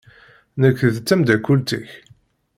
Nekk d tameddakelt-ik.